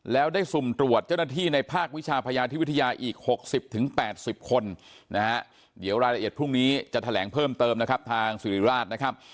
แล้วได้สุ่มตรวจเจ้าหน้าที่ในภาควิชาพยาธิวิทยาอีก๖๐๘๐คนนะฮะเดี๋ยวรายละเอียดพรุ่งนี้จะแถลงเพิ่มเติมนะครับทางสิริราชนะครับ